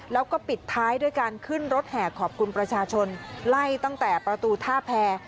แล้วก็ปิดท้ายด้วยการขึ้นรถแห่ขอบคุณประชาชนไล่ตั้งแต่ประตูท่าแพร